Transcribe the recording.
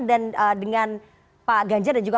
dan dengan pak ganjar dan juga